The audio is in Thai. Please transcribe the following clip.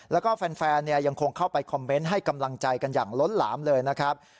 แล้วก็แฟนยังคงเข้าไปคอมเมนต์ให้กำลังใจกันอย่างล้นหลามเลยนะครับ